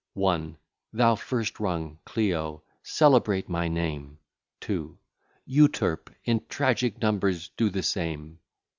1. Thou first rung, Clio, celebrate my name; 2. Euterp, in tragic numbers do the same.